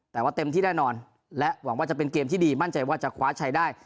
แต่ว่าเต็มที่แน่นอนและหวังว่าจะเป็นเกมที่ดีมั่นใจว่าจะคว้าชัยได้